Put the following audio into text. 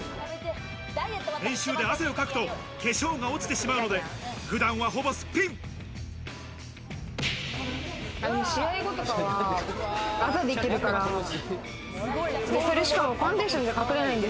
練習で汗をかくと化粧が落ちてしまうので普段はほぼすっぴん。